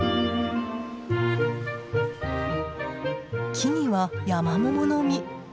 木にはヤマモモの実。